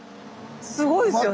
すごいですよね。